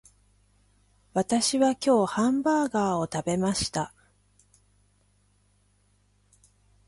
私は今日ハンバーガーを食べました